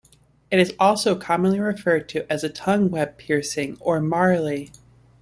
It is also commonly referred to as a "tongue web piercing" or "Marley".